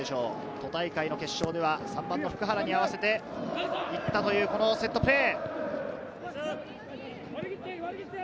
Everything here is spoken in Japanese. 都大会の決勝では３番の普久原に合わせて、行ったというセットプレー。